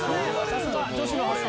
さすが女子の発想。